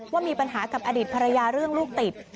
ว่ามีปัญหากับอดีตภรรยาเรื่องลูกติด